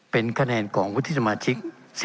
เป็นคะแนนของวุฒิสมาชิก